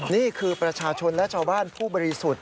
นี่คือประชาชนและชาวบ้านผู้บริสุทธิ์